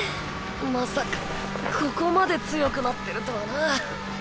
まさかここまで強くなってるとはな。